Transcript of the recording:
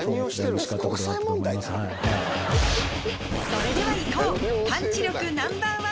それではいこう！